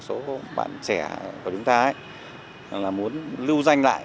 có một số bạn trẻ của chúng ta ấy là muốn lưu danh lại